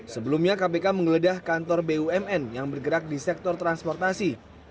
sebelumnya kpk menggeledah kantor bumn yang bergerak di sektor transportasi